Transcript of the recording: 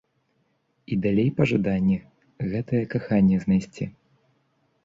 І далей пажаданні гэтае каханне знайсці.